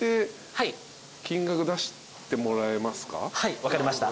はい分かりました。